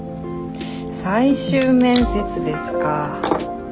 最終面接ですか。